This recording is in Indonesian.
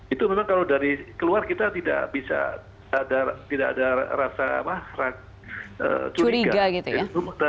itu memang kalau dari keluar kita tidak bisa tidak ada rasa curiga